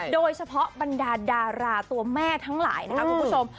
บรรดาดาราตัวแม่ทั้งหลายนะคะคุณผู้ชม